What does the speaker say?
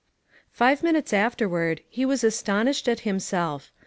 FIVE minutes afterward he was aston ished at himself.